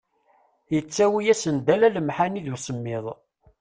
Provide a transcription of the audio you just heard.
Yettawi-asen-d ala lemḥani d usemmiḍ.